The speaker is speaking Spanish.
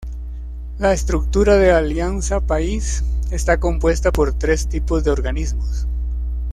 La estructura de Alianza País está compuesta por tres tipos de organismos.